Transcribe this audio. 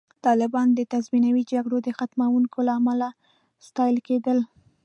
طالبان د تنظیمي جګړو د ختموونکو له امله ستایل کېدل